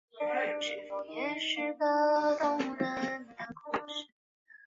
第十二届全国人民代表大会辽宁地区代表。